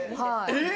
えっ？